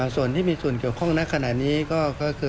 ส่วนที่มีส่วนเกี่ยวข้องในขณะนี้ก็คือ